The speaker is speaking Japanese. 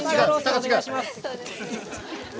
お願いします。